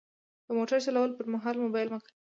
د موټر چلولو پر مهال موبایل مه کاروئ.